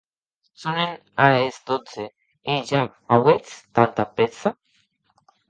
Sonen ara es dotze, e ja auetz tanta prèssa?